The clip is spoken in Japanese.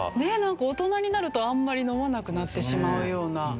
なんか大人になるとあんまり飲まなくなってしまうような。